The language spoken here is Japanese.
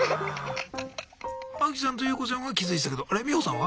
アキちゃんとユウコちゃんは気付いていたけどあれミホさんは？